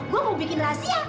gue mau bikin rahasia